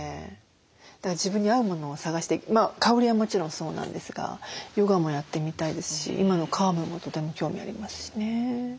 だから自分に合うものを探して香りはもちろんそうなんですがヨガもやってみたいですし今のカームもとても興味ありますしね。